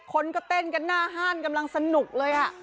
คนก็เต้นกันหน้าห้านกำลังสนุกเลย